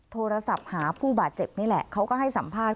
โทรศัพท์หาผู้บาดเจ็บนี่แหละเขาก็ให้สัมภาษณ